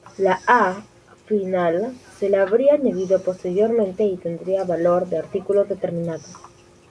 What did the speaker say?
La "-a" final se le habría añadido posteriormente y tendría valor de artículo determinado.